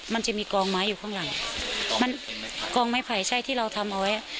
มันจะมีกองไม้อยู่ข้างหลังมันกองไม้ไผ่ใช่ที่เราทำเอาไว้อ่ะ